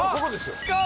使う？